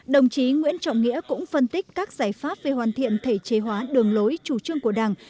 đồng chí nguyễn trọng nghĩa cũng phân tích các giải pháp về hoàn thiện thể chế hóa đường lối chủ trương của đảng